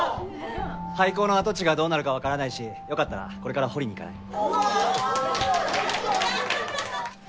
廃校の跡地がどうなるかわからないしよかったらこれから掘りに行かない？